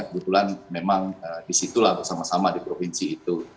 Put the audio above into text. kebetulan memang di situlah bersama sama di provinsi itu